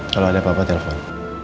kalau ada apa apa telfon